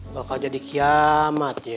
gak akan jadi kiamat ya